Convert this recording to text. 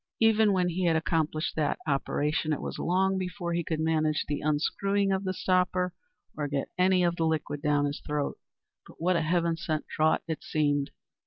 Even when he had accomplished that operation it was long before he could manage the unscrewing of the stopper or get any of the liquid down his throat. But what a Heaven sent draught it seemed!